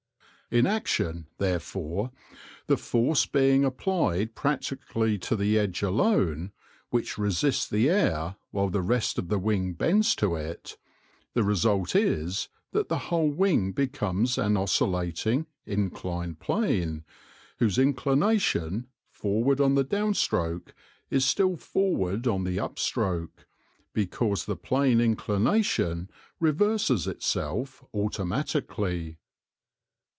In action, therefore, — the force being applied practically to the edge alone, which resists the air while the rest of the wing bends to it — the result is that the whole wing becomes an oscil lating, inclined plane, whose inclination, forward on the down stroke, is still forward on the up stroke, because the plane inclination reverses itself auto matically.